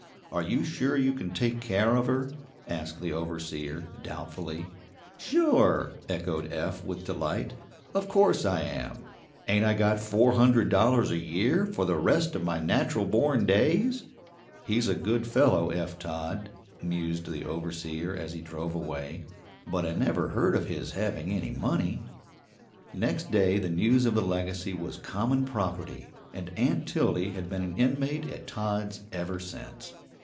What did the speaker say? "Are you sure you can take care of her?" asked the overseer, doubtfully. "Sure?" echoed Eph with delight. "Of course I'm sure. Ain't I got four hundred dollars a year for the rest of my natural born days?" "He's a good fellow, Eph Todd," mused the overseer as he drove away, "but I never heard of his having any money." Next day the news of the legacy was common property, and Aunt Tildy had been an inmate at Todd's ever since.